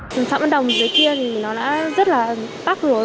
trường phạm văn đồng dưới kia thì nó đã rất là tắc rồi